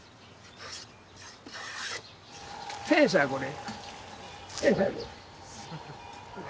戦車これ。